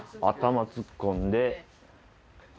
頭突っ込んで。